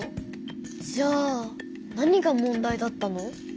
じゃあ何が問題だったの？